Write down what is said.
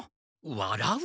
わらう？